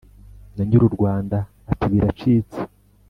na nyir’u rwanda ati biracitse